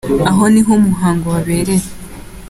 Aha ni ho uyu muhango wabereye.